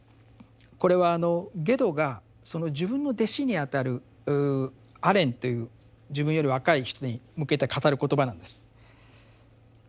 これはゲドがその自分の弟子にあたるアレンという自分より若い人に向けて語る言葉なんです。